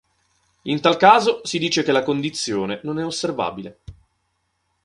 In tal caso si dice che la condizione non è osservabile.